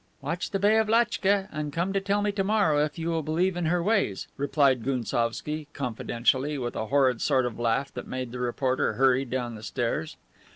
"Watch the Bay of Lachtka, and come to tell me to morrow if you will believe in her always," replied Gounsovski, confidentially, with a horrid sort of laugh that made the reporter hurry down the stairs.